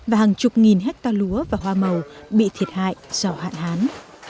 và hàng chục nghìn hectare lúa và hoa màu bị thiệt hại do hạn hán